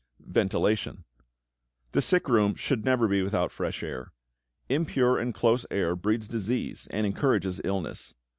=Ventilation.= The sick room should never be without fresh air. Impure and close air breeds disease and encourages illness.